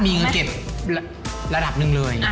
มีเงินเก็บระดับหนึ่งเลย